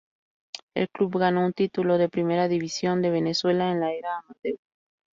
El club ganó un título de Primera División de Venezuela en la era amateur.